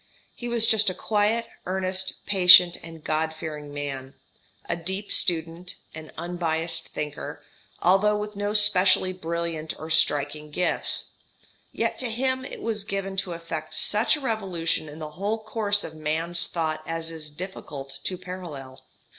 He was just a quiet, earnest, patient, and God fearing man, a deep student, an unbiassed thinker, although with no specially brilliant or striking gifts; yet to him it was given to effect such a revolution in the whole course of man's thoughts as is difficult to parallel.